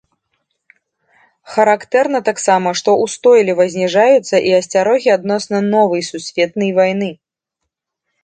Характэрна таксама, што устойліва зніжаюцца і асцярогі адносна новай сусветнай вайны.